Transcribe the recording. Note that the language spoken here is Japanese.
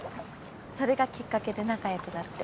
それがきっかけで仲良くなって。